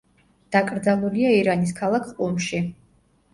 დაკრძალულია ირანის ქალაქ ყუმში.